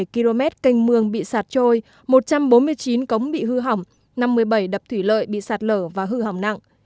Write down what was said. kênh mường bị sạt trôi một trăm bốn mươi chín cống bị hư hỏng năm mươi bảy đập thủy lợi bị sạt lở và hư hỏng nặng